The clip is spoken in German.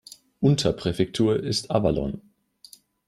Unterpräfektur ist Avallon.